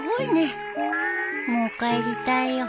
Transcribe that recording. もう帰りたいよ。